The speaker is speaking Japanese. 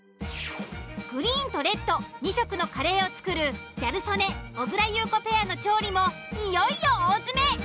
グリーンとレッド２色のカレーを作るギャル曽根・小倉優子ペアの調理もいよいよ大詰め。